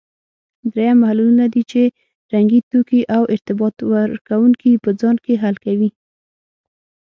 دریم محللونه دي چې رنګي توکي او ارتباط ورکوونکي په ځان کې حل کوي.